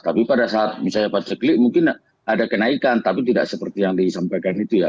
tapi pada saat misalnya paceklik mungkin ada kenaikan tapi tidak seperti yang disampaikan itu ya